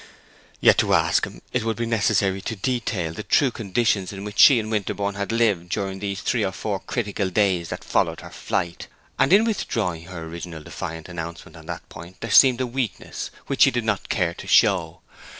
Yet to ask him it would be necessary to detail the true conditions in which she and Winterborne had lived during these three or four critical days that followed her flight; and in withdrawing her original defiant announcement on that point, there seemed a weakness she did not care to show.